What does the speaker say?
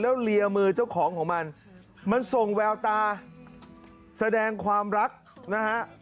แล้วเลียมือเจ้าของของมันมันส่งแววตาแสดงความรักนะฮะ